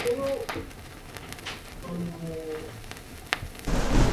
She was the granddaughter of Democratic state senator Walter Pearson.